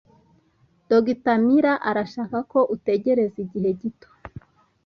Dr. Miller arashaka ko utegereza igihe gito.